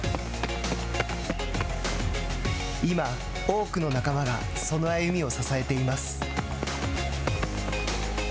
今、多くの仲間がその歩みを支えています。